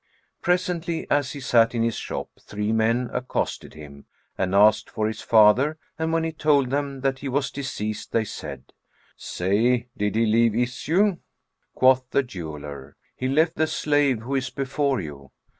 Presently, as he sat in his shop three men accosted him and asked for his father, and when he told them that he was deceased, they said, "Say, did he leave issue?" Quoth the jeweller, "He left the slave who is before you."